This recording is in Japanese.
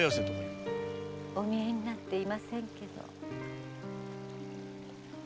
お見えになっていませんけど。